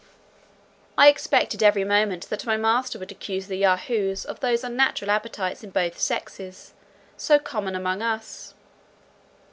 I expected every moment that my master would accuse the Yahoos of those unnatural appetites in both sexes, so common among us.